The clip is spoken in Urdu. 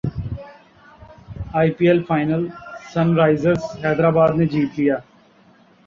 ائی P L final Sunrisers Hyderabad نے جیت لیا